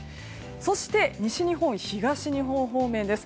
そして西日本、東日本方面です。